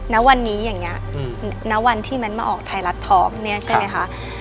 ณวันนี้อย่างนี้ณวันที่แมนมาออกไทยรัฐทอล์กเนี่ยใช่ไหมคะ